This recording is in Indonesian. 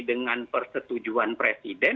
dengan persetujuan presiden